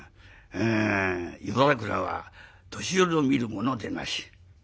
『夜桜は年寄りの見るものでなし』。